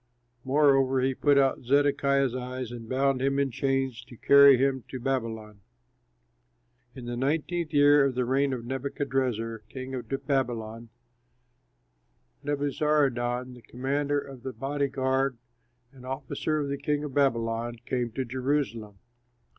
Moreover, he put out Zedekiah's eyes and bound him in chains to carry him to Babylon. In the nineteenth year of the reign of Nebuchadrezzar, king of Babylon, Nebuzaradan, the commander of the body guard, an officer of the king of Babylon, came to Jerusalem.